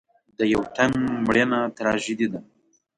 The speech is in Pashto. د یو تن مړینه تراژیدي ده.